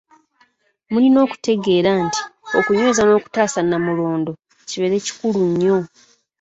Mulina okutegeera nti okunyweza n'okutaasa Nnamulondo, kibeere kikulu nnyo.